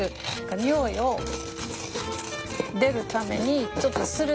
匂いを出るためにちょっと擂る。